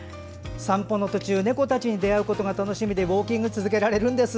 散歩の途中、猫たちに出会うことが楽しみでウォーキングを続けられるんです。